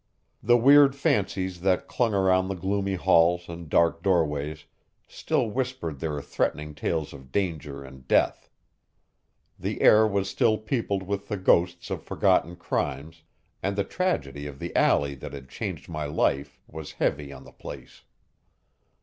The weird fancies that clung around the gloomy halls and dark doorways still whispered their threatening tales of danger and death. The air was still peopled with the ghosts of forgotten crimes, and the tragedy of the alley that had changed my life was heavy on the place.